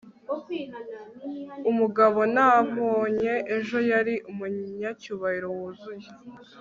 umugabo nabonye ejo yari umunyacyubahiro wuzuye